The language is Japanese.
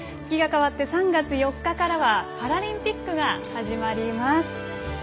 月が変わって３月４日からはパラリンピックが始まります。